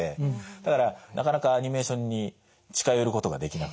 だからなかなかアニメーションに近寄ることができなくて。